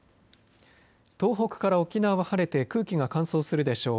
東北から沖縄は晴れて空気が乾燥するでしょう。